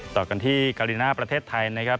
ต่อกันที่กาลิน่าประเทศไทยนะครับ